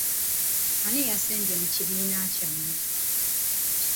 Ani eyasembye mu kibiina kyammwe?